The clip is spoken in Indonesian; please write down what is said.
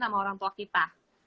sama orang tua kita